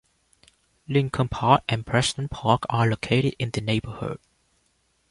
Lincoln Park and Preston Park are located in the neighborhood.